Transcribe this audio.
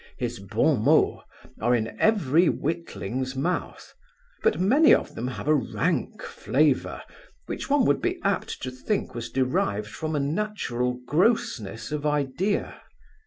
His bon mots are in every witling's mouth; but many of them have a rank flavour, which one would be apt to think was derived from a natural grossness of idea.